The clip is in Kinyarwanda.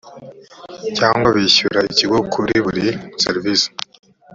cyangwa bishyura ikigo kuri buri serivisi